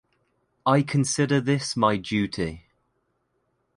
I consider this my duty.